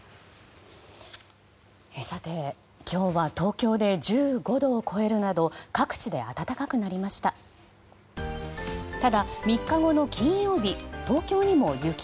今日は東京で１５度を超えるなど各地で暖かくなりました。